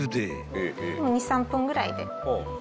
２３分ぐらいで。